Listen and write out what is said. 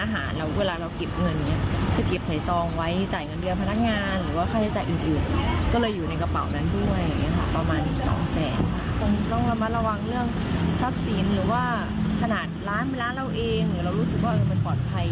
หรือว่าขนาดร้านเป็นร้านเราเองหรือเรารู้สึกว่ามันปลอดภัย